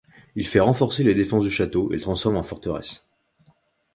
Il fait renforcer les défenses du château et le transforme en forteresse.